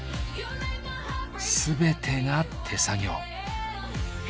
全てが手作業。